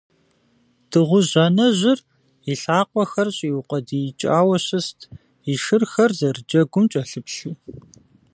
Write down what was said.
Дыгъужь анэжьыр и лъакъуэхэр щӀиукъуэдиикӀауэ щыст, и шырхэр зэрыджэгум кӀэлъыплъу.